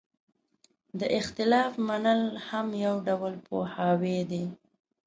د اختلاف منل هم یو ډول پوهاوی دی.